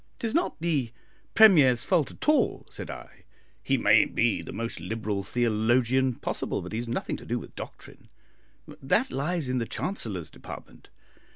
"It is not the Premier's fault at all," said I; "he may be the most liberal theologian possible, but he has nothing to do with doctrine; that lies in the Chancellor's department.